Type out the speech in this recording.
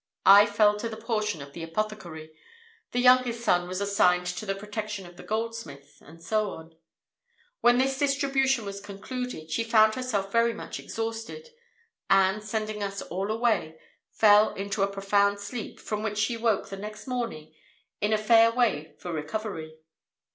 I fell to the portion of the apothecary; the youngest son was assigned to the protection of the goldsmith, and so on. When this distribution was concluded, she found herself very much exhausted, and, sending us all away, fell into a profound sleep, from which she woke the next morning in a fair way for recovery.